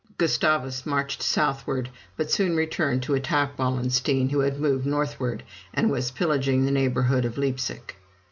Gustavus marched southward, but soon returned to attack Wallenstein, who had moved northward, and was pillaging the neighborhood of Leipsic.